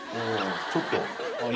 ちょっと。